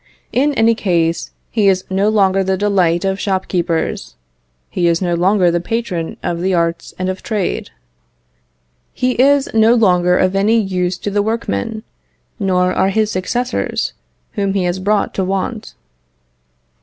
In any case, he is no longer the delight of shopkeepers; he is no longer the patron of the arts and of trade; he is no longer of any use to the workmen, nor are his successors, whom he has brought to want.